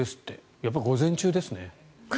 やっぱり午前中ですね。